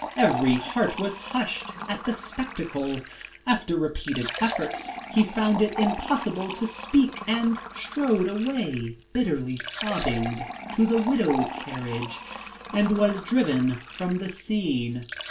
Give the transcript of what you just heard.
Every heart was hushed at the spectacle. After repeated efforts he found it impossible to speak, and strode away, bit terly sobbing, to the widow's carriage and was driven from the scene."